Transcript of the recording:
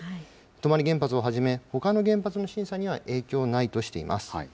泊原発をはじめ、ほかの原発の審査には影響ないとしています。